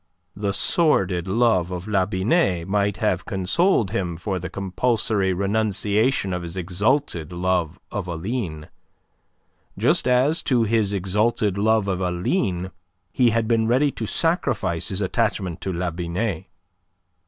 The sordid love of La Binet might have consoled him for the compulsory renunciation of his exalted love of Aline, just as to his exalted love of Aline he had been ready to sacrifice his attachment to La Binet.